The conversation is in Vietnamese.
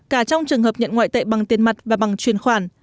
cả trong trường hợp nhận ngoại tệ bằng tiền mặt và bằng truyền khoản